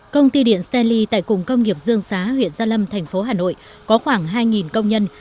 công ty điện stanley tại cùng công nghiệp dương xá huyện gia lâm thành phố hà nội có khoảng hai công nhân